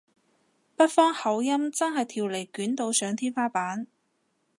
北方口音真係條脷捲到上天花板